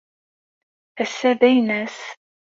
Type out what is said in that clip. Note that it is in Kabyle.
Ass-a d aynas?